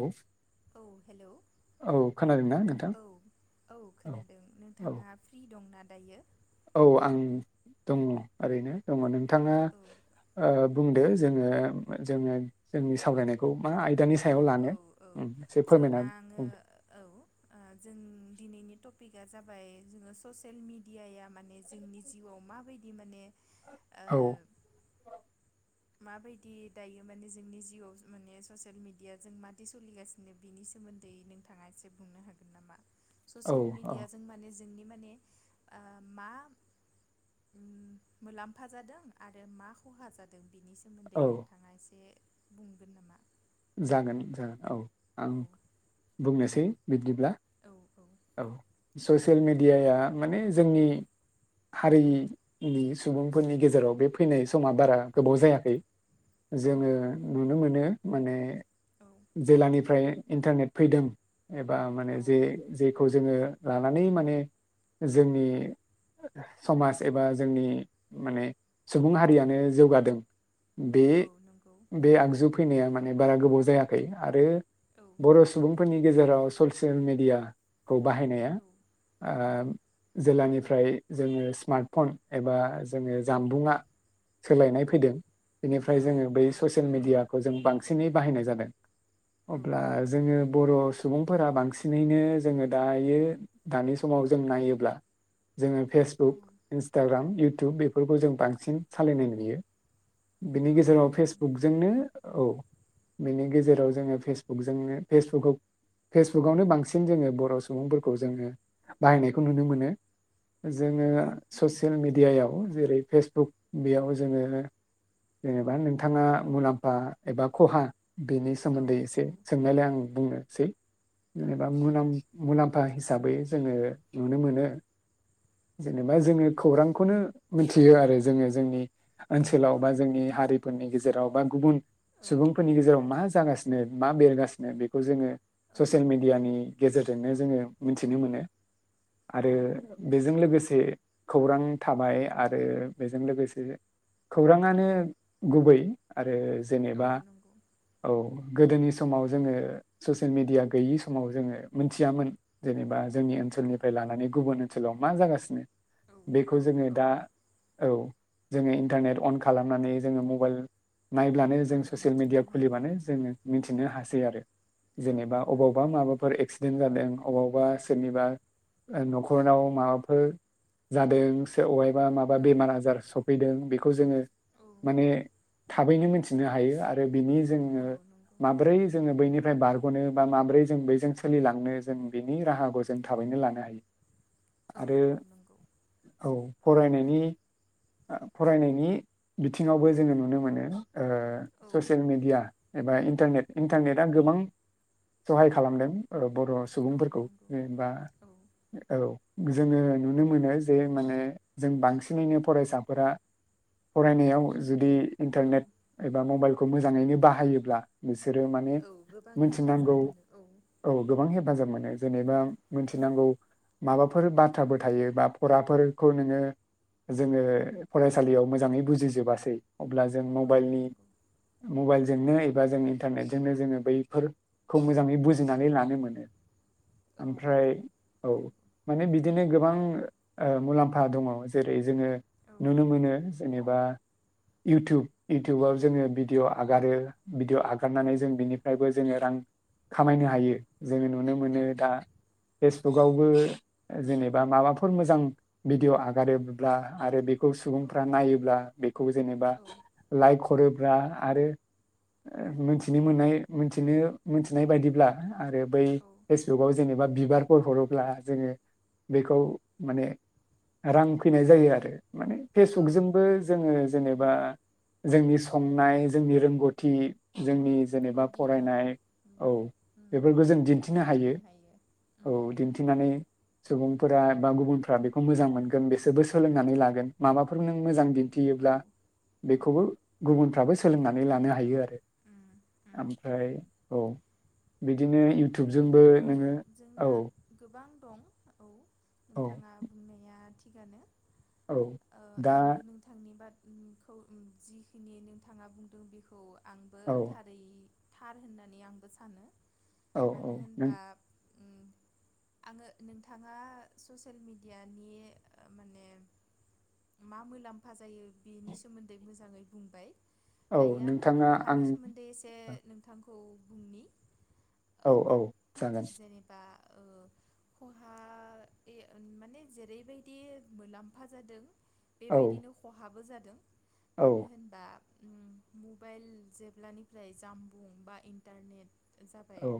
औ औ हेलौ औ खोनादोंना नोंथां औ औ औ खोनादों औ नोंथाङा फ्रि दं ना दायो औ आं दङ ओरैनो दङ नों थाङा औ ओ बुंदो जोङो जोङो जोंनि सावरायनायखौ मा आयदानि औ सायाव औ लानो औ उम एसे औ [unintelligible] फोरमायना बुंदो। आङो टपिकआ जाबाय जोङो ससियेल मिडियाया माने जोंनि जिउआव मा बायदि माने ओ औ माबायदि दायो माने जोंनि जिउआव माने ससियेल मेडिया जों मादि सोलिगासिनो बिनि सोमोन्दै नोंहा एसे बुंनो हागोन नामा? औ ससियेल औ मिडिया जों मानि जोंनि मानि ओ मा मुलाम्फा जादों आरो मा खहा जादों। [unintelligible] मोन्दै औ नोंथाङा एसे बुंगोन नामा [inaudible] जागोन ओ औ आं औ बुंनोसै दे बिदिब्ला औ। ससियेल मेडियाया माने जोंनि हारिनि सुबुंफोरनि गेजेराव बे फैनाय समा बारा गोबाव जायाखै। औ जोङो नुनो मोनो। माने औ जेलानिफ्राय इन्टारनेट फैदों एबा माने औ जे जेखौ जोङो लानानै माने जोंनि समाज एबा जोंनि माने सुबुं हारियानो जौगादों। औ बे नंगौ बे आगजु फैनाया मान बे बारा गोबाव जायाखै आरो औ बर' सुबुंफोरनि गेजेराव ससियेल मेडिया। खौ बाहायनाया उम ओ जेब्लानिफ्राय ओमफ्राय जोङो स्मार्टफन एबा जोङो जानबुंङा सोलायनाय औ फैदों बेनिफ्राय औ जोङो बै ससियेल मिडिया ओजों बां बांसिनै बाहायनाय जादों। औ अब्ला औ जोङो नंगौ बर' सुबुं फोरा बांसिनैनो जोङो दायो दानि समाव जों नायोब्ला जोङो। फेसबुक औ इन्सताग्राय [unintelligible] इउटुब बेफोरखौ जों बांसिन सालायनाय नुयो। बिनि औ गेजेराव नंगौ नोंथां फेसबुकजोंनो औ। बेनि गेजेराव जोङो फेसबुकजोंनो फेसबुक फेसबुकआवनो बांसिन जोङो बर' सुबुंफोरखौ जोङो बाहायनायखौ नुनो मोनो। जोङो औ ससियेल मिड मिडियायाव जेरै फेसबुक बेयाव जोङो जेनेबा नोंथाङा मुलाम्फा एबा खहा बेनि औ सोमोन्दै औ एसे सोंनायलाय आं बुंनो सै। औ एबा मुलाम्फ मुलाम्फा एसे हिसाबै जोङो नुनो मोनो जेनेबा जोङो खौरांखौनो मिथियो आरो जोङो जोंनि ओनसोलाव बा औ जोंनि हारिफोरनि गेजे जेराव बा गुबुन औ सुबुंफोरनि गेजेराव मा जागासिनो मा बेरगासिनो बेखौ जोङो ससियेल औ मेडियानि गेजेरजोंनो जोङो मिथिनो मोनो आरो बेजों लोगोसे खौरां थाबाय आरो बेजों लोगोसे खौराङानो गुबै आरो जेनेब बा औ नंगौ औ गोदोनि समाव जोङो ससियेल मिडिया गैयि समाव जोङो मोनथियामोन। औ जेनेबा जोंनि औ ओनसोलनिफ्राय लानानै गुबुन ओनसोलाव मा जागासिनो। औ बेखौ जोङो औ दा औ। जोङो इन्टारनेट अन खालामनानै जोङो मबाइल नायब्लानो जों औ ससियेल मिथिनो मिडिया हायो खुलिबानो उम जोङो मिन्थिनो हास सैआरो औ जेनेबा अबावबा नंगौ माबाफोर एक्सिडेन्ट जादों अबावबा सोरनिबा नखरनाव माबाफोर जादों सोर बा माबा औ बेमार आजार सफैदों बे खौ जोङो औ माने थाबैनो मिथिनो हायो आरो बिनि जोङो औ नंगौ माब्रै जोङो बैनि बारगनो बा माब्रै जों बैजों सोलिलांनो जों बिनि राहाखौ जों थाबैनो लानो हायो औ आरो औ नंगौ औ फरायनायनि फरायनायनि बिथिङावबो जोङो नुनो मोनो ओ औ ससियेल मिडिया एबा इन्टारनेट औ इन्टारनेटआ गोबां सहाय खालामदों ओ बर औ सुबुंफोरखौ नंगौ जेनबा औ औ जोङो नुनो मोनो जे माने जों बांसिनैनो फरायसाफोरा फरायनायाव जुदि औ इन्टारनेट एबा मबाइल खौ मोजाङैनो बाहायोब्ला बिसोरो माने औ गोबां हेफाजाब मिथिनांगौ मोनो औ गोबां हेफाजाब मोनो औ जेनेबा औ मिथिनांगौ माबाफोर बाथ्राबो थायो बा फराफोरखौ नोङो जोङो फरायसालियाव मोजाङै बुजिजोबासै अब्ला जों औ मबाइलनि नंगौ मबाइलजोंनो एबा जों इन्टारनेटजोंनो जोङो बैफोरखौ मोजाङै औ बुजिनानै लानो मोनो औ ओमफ्राय औ औ नंगौ माने बिदिनो गोबां ओ मुलाम्फा दङ जेरै जोङो औ नुनो मोनो जेनेबा इउटुब इउटुबाव जोङो भिदिअ आगारो भिदिअ औ आगारनानै जों बिनिफ्रायबो जोङो रां खामायनो हायो जोङो नुनो मोनो दा फेसबुकआवबो जेनेबा माबाफोर मोजां भिडिअ आगारोब्ला आरो बेखौ औ सुबुंफ्रा नायोब्ला बे खौ जेनेबा लाइक हरो जा आरो ओ मोनथिनो मोननाय मोनथिनो मोनथिनाय बायदिब्ला आरो बै औ फेसबुकाव जेनेबा बिबारफोर हरोब्ला जोङो बेखौ माने रां फैनाय जायो आरो। माने औ फेसबुकजोंबो नंगौ जोङो उम जेनेबा जोंनि स संनाय ज जोंनि रोंगौथि जोंनि औ जेनेबा दि ओ फरायनाय उम औ उम बेफोरखौ जों दिन्थिना हायो उम औ नंगौ दिन्थिनानै सुबुंफ फोर बा गुबुनफोरा बेखौ मोजां मोनगोन बेसोरबो सोलोंनानै लागोन माबाफोर नों मोजाङै थियोब्ला औ नंगौ बेखौबो गुबु फ्राबो सो सोलोंनानै लानो हायो आरो उम उम ओमफ्राय औ। बिदिनो औ इउटुबजोंबो बेबायदिनो नोङो औ जोंना गोबां दं औ। औ नोंथाङा बुंनाया थिग थिगानो। औ ओ दा आंबो नोंथांनि बाद उम खौ उम जिखिनि नोंथाङा बुंदों बेखौ ब आंबो औ थारै थार होननानै आंबो सानो। औ मानो औ नों होनबा उम आङो नोंथाङा ससियेल मेडियानि ओ माने मा मोलाम्फा जायो बेनि सोमोन्दै मोजाङै बुंबाय। औ दायो आङो नोंथाङा खहानि आं सोमोन्दै एसे नोंथांखौ खौ बुंनि औ औ जागोन। जेनेबा ओ खहा ओइ ओ माने जेरैबायदि मोलाम्फा जादों औ बेबायदिनो खहाबो जाद दों औ मानो होनबा उम मबाइल जेब्लानिफ्राय जामबुं बा इन्टारनेट औ जाबाय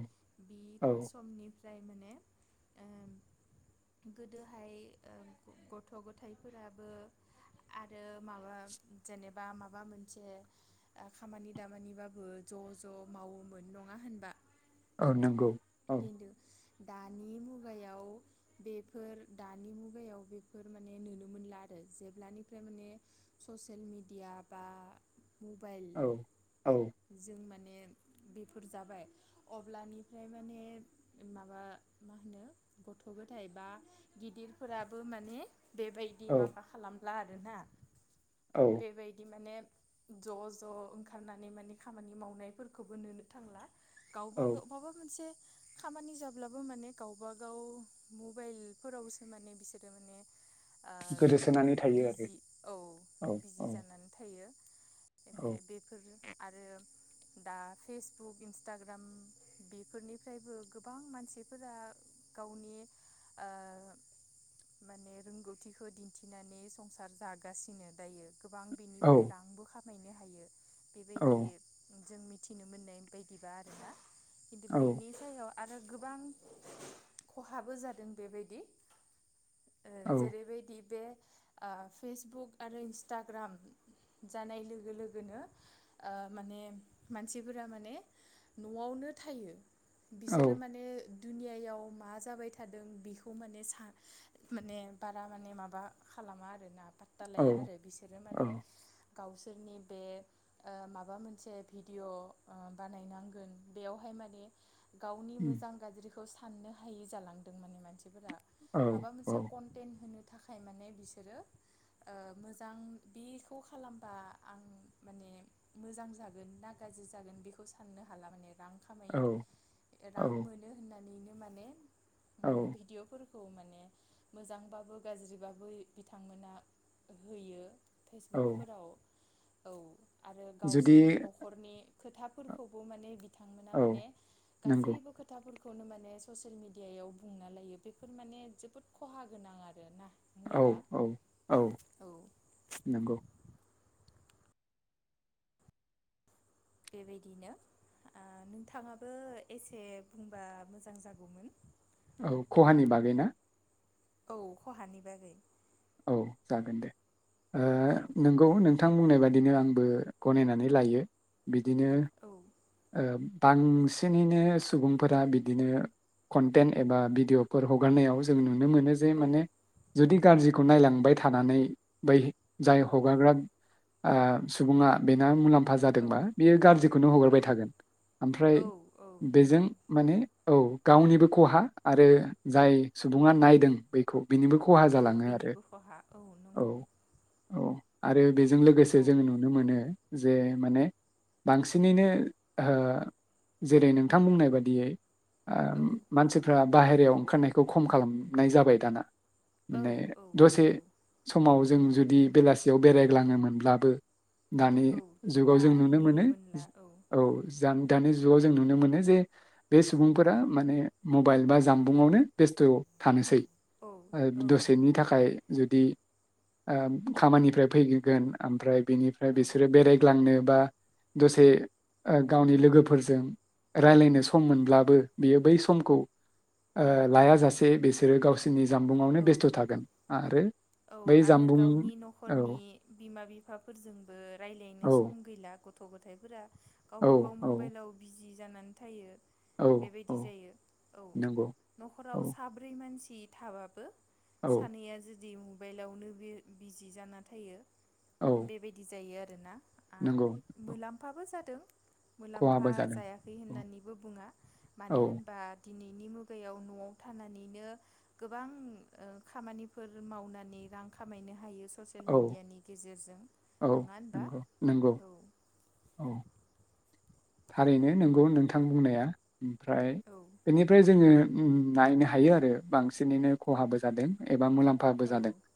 औ बिद समनिफ्रा फ्राय माने ओ गोदोहाय ओ गथ' गथाइफोराबो आरो माबा जेनेबा माबा मोनसे ओ खामानि दामानिबाबो ज' ज' मावोमोन नङा होनब बा? औ नंगौ। औ दिनदो दानि मुगायाव बेफोर दानि मुगायाव बेफोर माने नुनो मोनला आरो जेब्लानिफ्राय माने ससियेल मेडिया बा मबाइल औ औ जों मा माने बेफोर जाबाय अब्लानिफाय माने माबा मा होनो गथ' गथाइ बा गिदिरफोराबो माने बेबायदि औ माबा खालाम ला आरो ना। बेबायदि माने ज' ज' ओंखारनानै माने खामानि मावनायफोरखौबो नुनो थांला। गावबा औ गाव बाबा मोनसे खामानि जाब्लाबो माने गावब गाव मबाइलफोरावसो माने बिसोरो माने ओ गोदोसोनानै थायो आरो बिजि औ औ औ बिजि जानानै थायो। औ [unintelligible] बेफोरनो। आरो दा फेसबुक इन्सटाग्राम बि बेफोरनिफ्रायबो गोबां मानसिफोरा गावनि ओ माने रोंगौथिखौ दिन्थिनानै संसार जागासिनो दायो। गोबां औ बेनिफ्राय रांबो खाम मायनो हायो। औ बेबायदि जों मिथिनो मोननाय बायदिबा आरोना। औ बेनि सायावा आरो गोबां खहाबो जादों बेबायदि ओ औ जेरैबायदि बे ओ फेसबुक आरो इन्सटाग्राम जानाय लोगो लोगोनो ओ माने मानसिफोरा माने न'आवनो थायो। औ बिसोरो माने दुनियायाव मा जाबाय थादों बेखौ माने सान माने बारा माने माबा खालामा आरोना। पात्टा औ लाया आरो बिसोरो माने गावसोरनि बे ओ माबा मोनसे भिडिय' ओ बानायनांगोन। बेयावहाय माने गावनि उम मोजां गाज्रिख साननो हायि जालांदों माने मानसिफोरा औ माबा औ मोनसे कनटेन होनो थाखाय माने बिसोरो ओ मोजां बेखौ खालामबा आं माने मोजां जागोन ना गाज्रि जागोन बेखौ साननो हाला माने। रां खामाय औ औ रां मोनो होननानै माने औ भिदिअफोर खौ माने मोजांबाबो गाज्रिबाबो बिथांमोना होयो। औ फेसबुकफोराव औ। आरो जुदि गावसोरनि न'खरनि। खोथाफोरखौबो माने बिथांमोना औ माने नंगौ गासैबो खोथाफोरखौ खौनो माने ससियेल मिडियायाव बुंना लायो बेफोर माने जोबोद खहा गोनां आरोना। औ औ औ नोंगौ। बेबायदिनो ओ नोंथाङाबो एसे बुंबा मोजां जागौमोन। औ खहानि बागै ना? औ खहानि बागै। औ जागोन दे ओ औ नोंगौ नोंथां बुंनाय बादिनो आंबो गनायनानै लायो बि दिनो औ ओ बांसिनैनो सुबुंफोरा बिदिनो कनटेन्ट एबा भिडिअफोर हगारनायाव जों नुनो नो मोनो जे औ माने जुदि गाज्रिखौ नायलांबाय थानानै बै जाय औ हगारग्रा ओ सुबुङा बेना मुलाम फा औ जादोंबा बेयो गाज्रिखौनो औ हगारबाय था थागोन ओमफ्राय औ औ बेजों नंगौ माने औ गावनिबो खहा आरो जाय सुबुङा नायदों बेखौ बेनिबो खहा औ जालाङो आरो बेनिबो खहा औ नंगौ औ आरो बेजों लोगोसे औ जोङो नुनो मोनो जे माने बांसिनैनो ओ जेरै नोंथां बुंनाय बायदियै ओ औ मानसिफ्रा बाहेरायाव ओंखारनायखौ खम खालामनाय जाबाय दाना। औ माने औ दसे नंगौ समाव जों जु दि बेलासियाव बेरायग्लांनो मोनब्लाबो दानि औ जुगाव जों नुनो दानोनो मोनो मोनला औ जाम दानि जुगाव जों नुनो मोनो जे बे सुबुंफोरा माने मबाइल बा जानबुंआवनो बेस्थ' आव थानोसै। ओ औ औ दसेनि नंगौ थाखाय जुदि ओ खामानिफ्राय फैगो गोन ओमफ्राय बेनिफ्राय औ बिसोरो बेरायग्लांनो बा दसे ओ गावनि लोगोफोरजों रायलायनो सम सम मोनब्लाबो औ बियो बै सम खौ ओ लायाजासे बिसोरो गावससिनि जामबुंआवनो औ बेस्थ' थागोन आरो औ बै आरो जामबुं गावनि औ न'खरनि बिमा बिफाफोरजोंबो रायलायनो औ सम गैला। गथ' गथाइफोरा औ गावबा गाव औ मुबाइलाव बिजि जानानै थायो। औ बेबायदि औ जायो औ नंगौ न'खराव औ साब्रै मानसि थाबाबो औ सानैया जुदि बाइलावनो बे बिजि जाना थायो। औ बेबायदि जायो आर दोना आ नंगौ मुलाम्फाबो जादों। मुलाम्फा खहाबो जादों जायाखै होननानैबो बुङा औ मानो होनबा दिनैनि मुगायाव न'आव थानानैनो गोबां ओ खामानिफोर मावनान नै रां खामायनो हायो। ससियेल औ मिडियानि गेजेरजों। औ नङा होनबा नंगौ नंगौ औ औ। थारैनो नोंगौ नोंथां बुंनाया ओमफ्राय औ बेनिफ्राय जोङो उम नायनो हायो आरो बां सिनैनो औ खहाबो जादों एबा मुलाम्फाबो जादों औ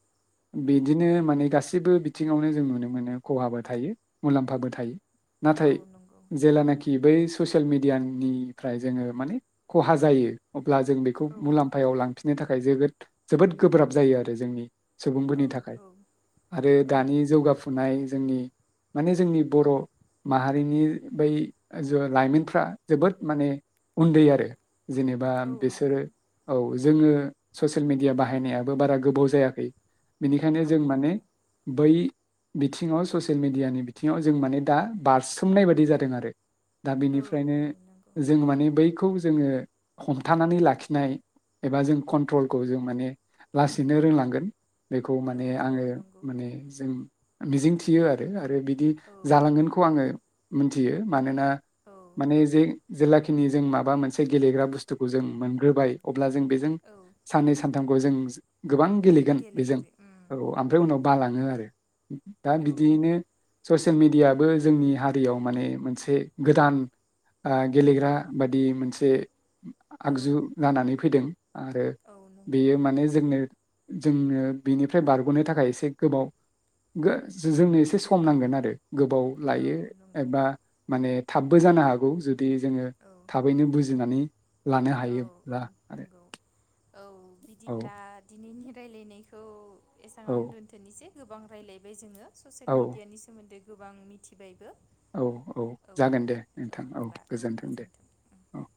औ बेदिनो माने गासिब बो बिथिङावनो जों नुनो मोनो खहाबो थायो मुलाम्फाबो थायो। औ नाथाय नंगौ। जेलानाखि बै ससियेल मिडियानिफ्राय जोङो माने खहा जायो ब्ला जों बेखौ औ मुलाम्फायाव लां फिननो थाखाय जोगोद जोबोद गोब्राब जायो आरो जोंनि सुबुंफोरनि औ थाखाय औ आरो दानि औ जौगाफुनाय जोंनि माने जोंनि बर' माहारिनि बै जो लाइमोनफ्रा जोबोद माने उन्दै औ आरो जेनेबा औ बिसोरो नंगौ औ। जोङो ससियेल मिडिया बाहायनायाबो बारा गोबाव जायाखै। बेनिखायनो औ जों माने नंगौ बै बिथिङाव ससियेल मिडियानि बिथिङाव जों माने दा बारसोमनाय बादि जाद दों आरो। दा औ बिनिफ्रायनो औ नंगौ जों माने बै बेखौ जोङो हमथानानै लाखिनाय एबा जों कन्ट्रलखौ जों माने लासैनो रोंलांगोन। बेखौ औ माने औ आङो नंगौ माने जों मिजिं थियो आरो आरो बि दि औ जालांगोनखौ औ आङो मिथियो मानोना औ माने जे जेला खिनि जों माबा मोनसे गेलेग्रा बुस्थुखौ जों मोनग्रोबाय अब्ला जों बेजों औ सान्नै सान थामखौ जों गोबां गेलेगोन बेजों गेलेगिरि उम औ आ ओमफ्राय नंगौ उनाव बालाङो आरो दा औ बिदियैनो ससे ससियेल मिडियाबो जोंनि हारियाव माने मोनसे गोदान ओ औ गेलेग्रा बादि मोनसे औ आगजु जानानै फैदों। आरो औ नंगौ बेयो माने जोंनो जोंनो बेनिफ्राय बारग'नो थाखाय एसे गोबाव जोंनो एसे सम नांगोन आरो। गोबाव औ लायो। नंगौ एबा माने थाबबो जानो हागौ जु दि जोङो औ थाबैनो बुजिनानै लानो औ हायोब्ला औ आरो। नंगौ औ औ बिदिब्ला दिनैनि राय्लायनाय औ एसांयावनो दोन्थ'नोसै। गोबां रायज्लायबाय जोङो। ससियेल औ मिडियानि सोमोन्दै। गोबां मिथिबायबो। औ औ जागोन दे नोंथां औ गोजोन्थों दे औ।